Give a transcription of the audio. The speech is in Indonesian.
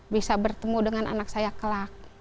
bisa bertemu dengan anak saya kelak